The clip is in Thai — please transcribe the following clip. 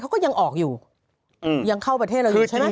เขาก็ยังออกอยู่ยังเข้าประเทศเราอยู่ใช่ไหม